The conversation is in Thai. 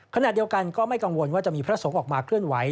ขณะเดียวกันก็ไม่กังวลว่าจะมีพระสงฆ์ออกมาเคลื่อนไหว